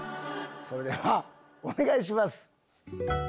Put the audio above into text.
それではお願いします。